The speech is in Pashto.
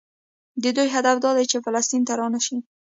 د دوی هدف دا دی چې فلسطین ته رانشي.